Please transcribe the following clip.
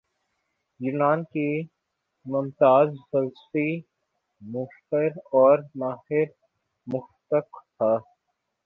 یونان کا ممتاز فلسفی مفکر اور ماہر منطق تھا